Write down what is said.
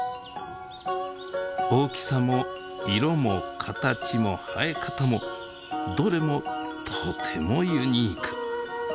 大きさも色も形も生え方もどれもとてもユニーク。